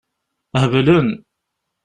Heblen.